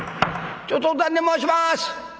「ちょっとお尋ね申します。